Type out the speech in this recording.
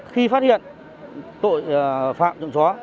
khi phát hiện tội phạm trụng xóa